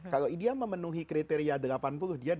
kalau dia memenuhi kriteria delapan puluh dia delapan puluh